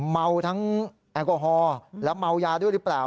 เมาทั้งแอลกอฮอล์และเมายาด้วยหรือเปล่า